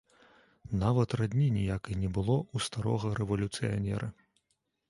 Нават радні ніякай не было ў старога рэвалюцыянера.